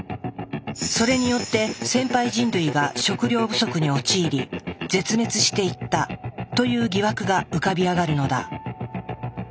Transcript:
それによって先輩人類が食料不足に陥り絶滅していったという疑惑が浮かび上がるのだ。